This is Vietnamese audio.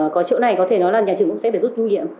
có chỗ này có thể nói là nhà trường cũng sẽ phải rút du nhiệm